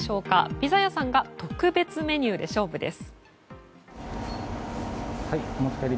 ピザ屋さんが特別メニューで勝負です。